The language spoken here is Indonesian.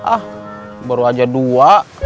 ah baru aja dua